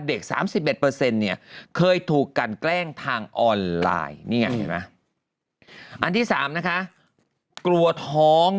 เด็ก๓๑เนี่ยเคยถูกกันแกล้งทางออนไลน์อันที่๓นะคะกลัวท้อง